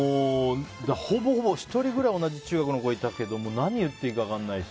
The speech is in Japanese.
ほぼほぼ、１人くらい同じ中学の子いたけど何言っていいか分からないし。